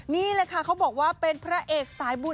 นี่แหละคะเค้าบอกเป็นภรรย์สายบุญ